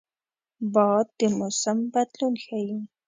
باد د موسم بدلون ښيي